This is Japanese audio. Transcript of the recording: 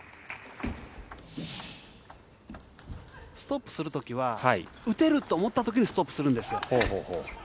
ストップするときは打てると思ったときにストップするんですよ。